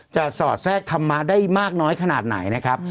สอดแทรกธรรมะได้มากน้อยขนาดไหนนะครับ